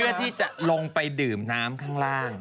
เพื่อที่จะลงไปดื่มน้ำข้างล่าง